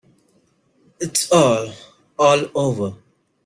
It is all, all over.